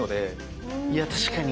いや確かに。